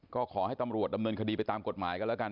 ก็ขอให้ตำรวจดำเนินคดีไปตามกฎหมายกันแล้วกัน